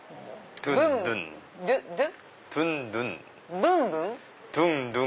ブンブン？